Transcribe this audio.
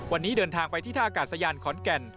วันนี้เดินทางไปที่ท่ากาศยานขอนแก่น